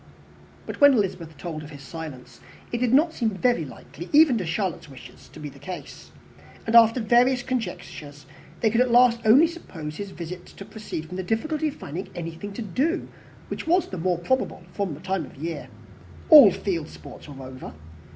But when Elizabeth told of his silence, it did not seem very likely, even to Charlotte's wishes, to be the case; and, after various conjectures, they could at last only suppose his visit to proceed from the difficulty of finding anything to do, which was the more probable from the time of year. All field sports were over.